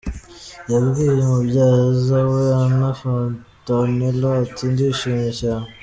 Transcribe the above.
Yabwiye umubyaza we Anna Fontanella ati : “Ndishimye cyane.